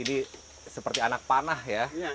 ini seperti anak panah ya